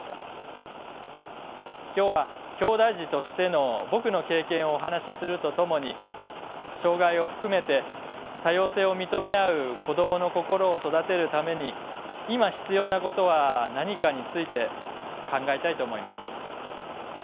今日はきょうだい児としての僕の経験をお話しするとともに障がいを含めて多様性を認め合う子どもの心を育てるために今必要なことは何かについて考えたいと思います。